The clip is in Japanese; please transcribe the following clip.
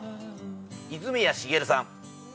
泉谷しげるさん。